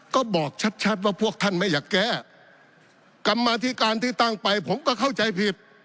ก็บอกชัดชัดว่าพวกท่านไม่อยากแก้กรรมาธิการที่ตั้งไปผมก็เข้าใจผิด